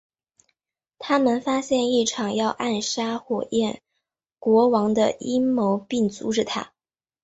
他们发现一场要暗杀火焰国王的阴谋并阻止它。